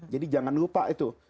jadi jangan lupa itu